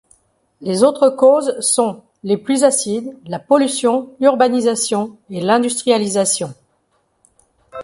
Les autres causes sont les pluies acides, la pollution, l'urbanisation et l'industrialisation.